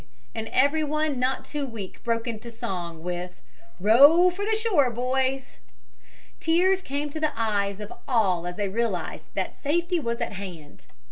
and everyone not too weak broke into song with "Row for the shore, boys." Tears came to the eyes of all as they realized that safety was at hand.